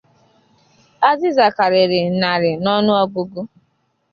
azịza karịrị narị n'ọnụọgụgụ